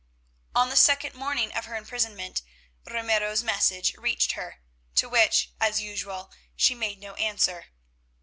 On the second morning of her imprisonment Ramiro's message reached her, to which, as usual, she made no answer.